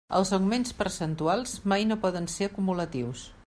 Els augments percentuals mai no poden ser acumulatius.